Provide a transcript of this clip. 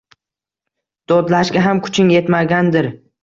Dodlashga ham kuching yetmagandir.